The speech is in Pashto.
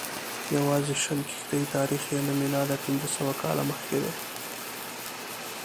یوازې شل کښتۍ تاریخ یې له میلاده پنځه سوه کاله مخکې دی.